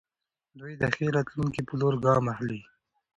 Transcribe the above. دوی د ښې راتلونکې په لور ګام اخلي.